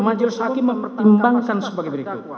majid sakin mempertimbangkan sebagai berikut